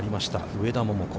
上田桃子。